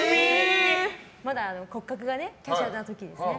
まだ骨格が華奢な時にね。